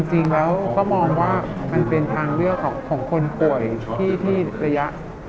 จริงแล้วก็มองว่ามันเป็นทางเลือกของคนป่วยที่ระยะ